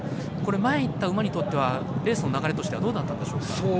前に行った馬にとってはレースの流れはどうだったんでしょうか？